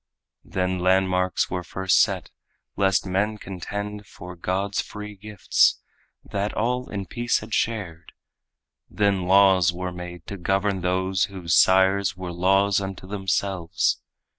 Then landmarks were first set, lest men contend For God's free gifts, that all in peace had shared. Then laws were made to govern those whose sires Were laws unto themselves.